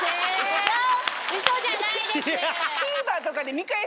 ウソじゃないです。